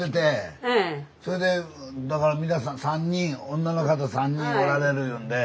それでだから皆さん３人女の方３人おられるいうんで。